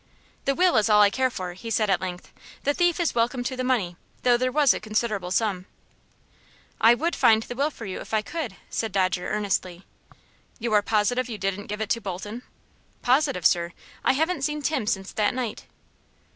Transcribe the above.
"The will is all I care for," he said, at length. "The thief is welcome to the money, though there was a considerable sum." "I would find the will for you if I could," said Dodger, earnestly. "You are positive you didn't give it to Bolton?" "Positive, sir. I haven't seen Tim since that night."